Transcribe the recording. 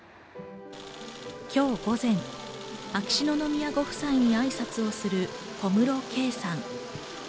今日午前、秋篠宮ご夫妻に挨拶をする小室圭さん。